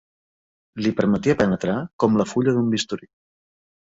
Li permetia penetrar, com la fulla d'un bisturí